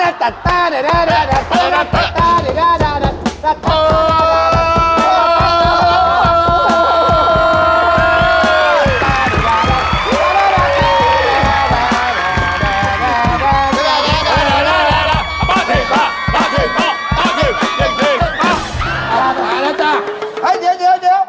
เดี๋ยว